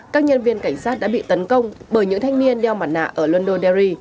các nhân viên cảnh sát đã bị tấn công bởi những thanh niên đeo mặt nạ ở londonderry